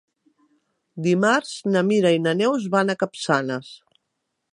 Dimarts na Mira i na Neus van a Capçanes.